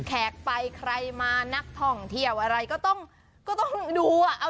แขกไปใครมานักท่องเที่ยวอะไรก็ต้องก็ต้องดูอ่ะ